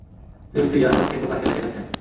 Chelsea আমাকে poker খেলা শেখাচ্ছেন।